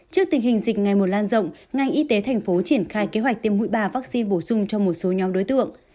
trước tình hình dịch ngày một lan rộng ngành y tế thành phố triển khai kế hoạch tiêm mũi ba vaccine bổ sung cho một số nhóm đối tượng